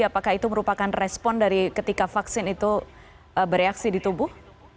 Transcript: apakah itu merupakan respon dari ketika vaksin itu bereaksi di tubuh